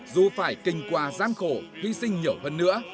dù phải kinh qua gian khổ hy sinh nhiều hơn nữa